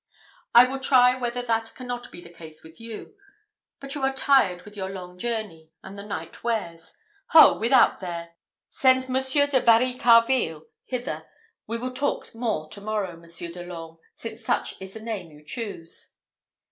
I will try whether that cannot be the case with you; but you are tired with your long journey, and the night wears. Ho, without there! send Monsieur de Varicarville hither. We will talk more to morrow, Monsieur de l'Orme, since such is the name you choose."